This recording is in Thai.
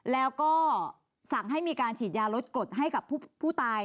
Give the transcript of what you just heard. แล้วก็สั่งให้มีการฉีดยาลดกรดให้กับผู้ตาย